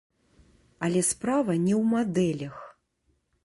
Але справа не ў мадэлях.